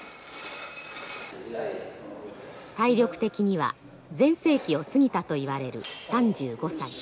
体力的には全盛期を過ぎたといわれる３５歳。